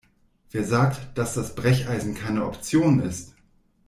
Wer sagt, dass das Brecheisen keine Option ist?